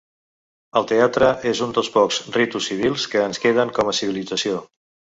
El teatre és un dels pocs ritus civils que ens queden com a civilització.